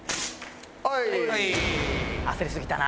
焦りすぎたな。